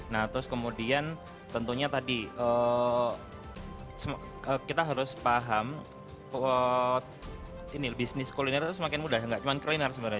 nah terus kemudian tentunya tadi kita harus paham bisnis kuliner itu semakin mudah nggak cuma kuliner sebenarnya